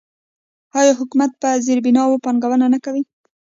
آیا حکومت په زیربناوو پانګونه نه کوي؟